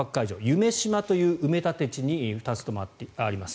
夢洲という埋め立て地に２つともあります。